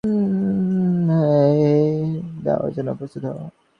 এবার ঝাপ দেওয়ার জন্য প্রস্তুত হও।